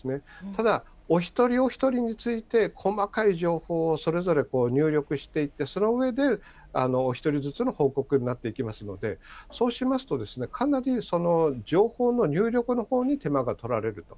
ただ、お一人お一人について、細かい情報をそれぞれ入力していって、その上でお一人ずつの報告になっていきますので、そうしますと、かなり情報の入力のほうに手間が取られると。